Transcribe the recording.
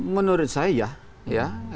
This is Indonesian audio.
menurut saya ya